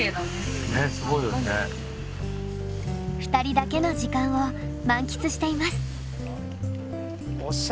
２人だけの時間を満喫しています。